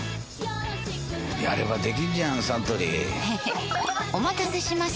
やればできんじゃんサントリーへへっお待たせしました！